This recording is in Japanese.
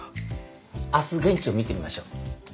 明日現地を見てみましょう。